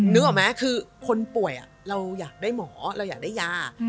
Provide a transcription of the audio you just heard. นึกออกไหมคือคนป่วยเราอยากได้หมอเราอยากได้ยา